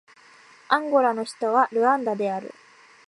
アンゴラの首都はルアンダである